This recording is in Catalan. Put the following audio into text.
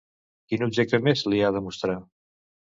Quin objecte més li ha de mostrar?